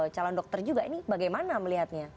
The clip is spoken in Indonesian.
calon dokter juga ini bagaimana melihatnya